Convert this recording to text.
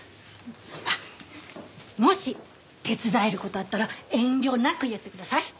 あっもし手伝える事あったら遠慮なく言ってください。